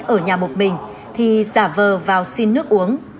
ở nhà một mình thì giả vờ vào xin nước uống